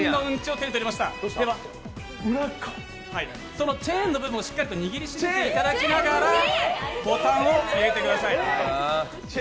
そのチェーンの部分をしっかり握りながらボタンを入れてください。